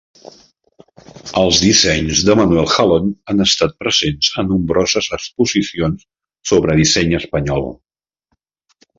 Els dissenys de Manuel Jalón han estat presents a nombroses exposicions sobre disseny espanyol.